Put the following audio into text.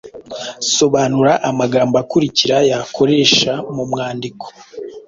Sobanura amagambo akurikira yakoresha mu mwandiko: